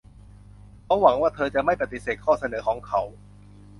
เขาหวังว่าเธอจะไม่ปฏิเสธข้อเสนอของเขา